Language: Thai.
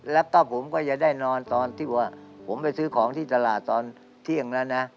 แล้วก็ผมก็จะได้นอนตอนที่ว่าผมไปซื้อของที่ตลาดตอนเที่ยงแล้วนะ